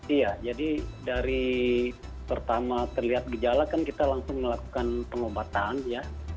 iya jadi dari pertama terlihat gejala kan kita langsung melakukan pengobatan ya